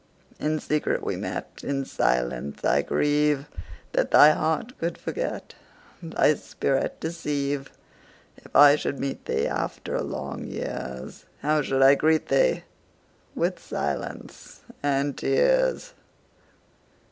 In secret we met:In silence I grieveThat thy heart could forget, Thy spirit deceive. If I should meet theeAfter long years, How should I greet thee?—With silence and tears.